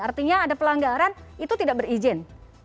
artinya ada pelanggaran itu tidak berizin